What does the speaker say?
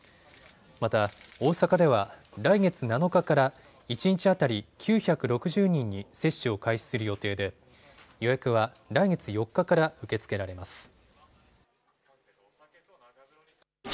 また大阪では来月７日から一日当たり９６０人に接種を開始する予定で予約は来月４日から受け付けられます。